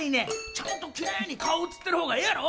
ちゃんときれいに顔映ってる方がええやろ。